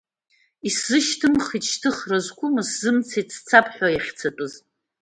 Исзышьҭымхит шьҭыхра зқәымыз, сзымцеит сцап ҳәа иахьцатәыз.